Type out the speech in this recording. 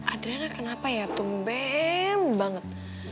adriana kenapa ya tumbem banget